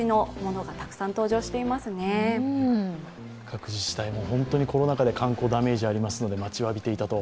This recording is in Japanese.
各自治体、本当にコロナ禍で観光ダメージがありますので待ちわびていたと。